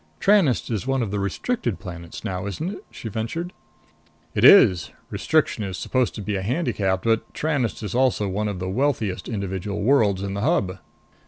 "Tranest is one of the restricted planets now, isn't it?" she ventured. "It is. Restriction is supposed to be a handicap. But Tranest is also one of the wealthiest individual worlds in the Hub."